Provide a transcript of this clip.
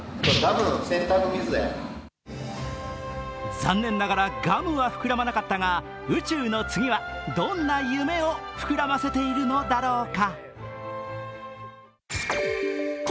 残念ながらガムは膨らまなかったが宇宙の次は、どんな夢を膨らませているのだろうか。